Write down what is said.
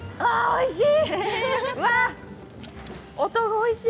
おいしい。